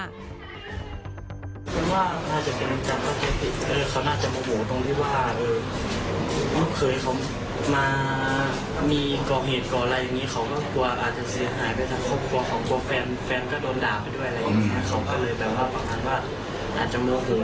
ความรักของหนุ่มสาวว่าครอบครัวไฟหญิง